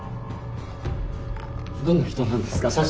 どんな人なんですか？